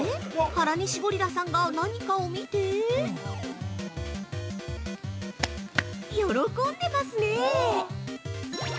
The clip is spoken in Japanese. ハラニシゴリラさんが何かを見て、喜んでますね。